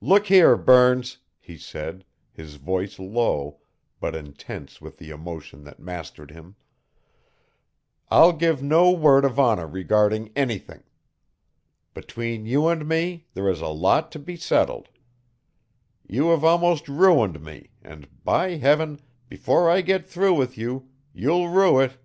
"Look here, Burns," he said, his voice low, but intense with the emotion that mastered him, "I'll give no word of honor regarding anything. Between you and me there is a lot to be settled. You have almost ruined me, and, by Heaven, before I get through with you, you'll rue it!